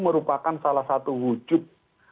merupakan salah satu wujud